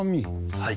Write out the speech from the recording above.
はい。